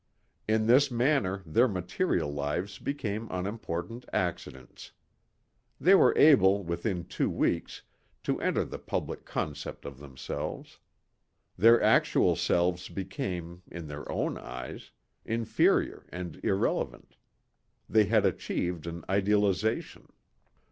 In this manner their material lives became unimportant accidents. They were able within two weeks to enter the public concept of themselves. Their actual selves became, in their own eyes, inferior and irrelevant. They had achieved an idealization.